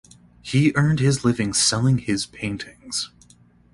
He earned his living selling his paintings.